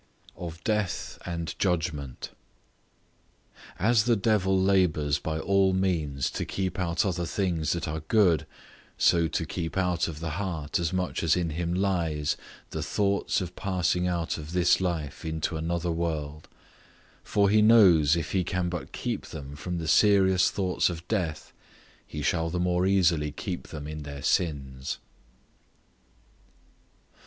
OF DEATH AND JUDGMENT. As the devil labours by all means to keep out other things that are good, so to keep out of the heart as much as in him lies, the thoughts of passing out of this life into another world; for he knows if he can but keep them from the serious thoughts of death, he shall the more easily keep them in their sins.